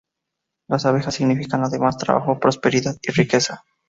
Las abejas significan, además trabajó, prosperidad y riqueza.